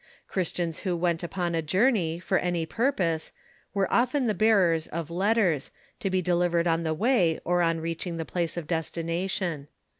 Christians who went upon a journey, for any purpose, were often the bearers of letters, to be delivered on the way or on reaching the place of destination.